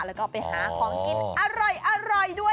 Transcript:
ก็พาคุณแม่ไปแหว่พระและกดไปหาของกินอร่อยด้วย